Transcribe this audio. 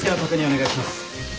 お願いします。